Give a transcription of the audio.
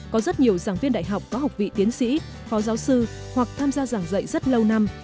có rất nhiều giảng viên đại học có học vị tiến sĩ phó giáo sư hoặc tham gia giảng dạy rất lâu năm